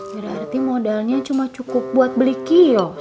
berarti modalnya cuma cukup buat beli kio